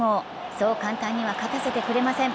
そう簡単には勝たせてくれません。